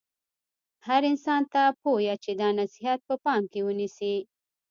هر انسان ته پویه چې دا نصحیت په پام کې ونیسي.